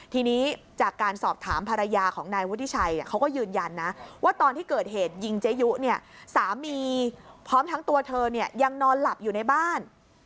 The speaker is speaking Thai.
ทีนี้จากการสอบถามภรรยาของนายวุฒิชัยเขาก็ยืนยันนะว่าตอนที่เกิดเหตุยิงเจยุเนี่ยสามีพร้อมทั้งตัวเธอเนี่ยยังนอนหลับอยู่ในบ้าน